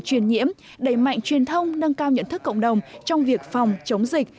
truyền nhiễm đẩy mạnh truyền thông nâng cao nhận thức cộng đồng trong việc phòng chống dịch